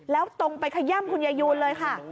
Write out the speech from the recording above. แล้วตรงไปขย่ำคุณยายูนเลยค่ะ